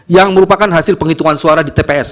yang merupakan hasil penghitungan suara di tps